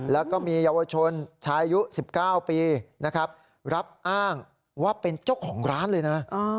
แล้วก็มีเยาวชนชายอายุ๑๙ปีนะครับรับอ้างว่าเป็นเจ้าของร้านเลยนะ